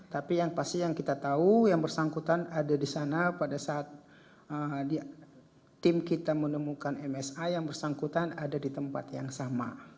tapi yang pasti yang kita tahu yang bersangkutan ada di sana pada saat tim kita menemukan msa yang bersangkutan ada di tempat yang sama